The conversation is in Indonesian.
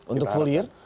untuk full year